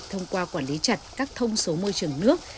thông qua quản lý chặt các thông số môi trường nước